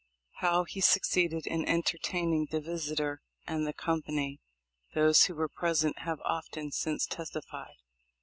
How he succeeded in enter taining the visitor and the company, those who were present have often since testified.